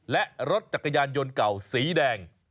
และรถจักรยานยนต์เก่าสีแดง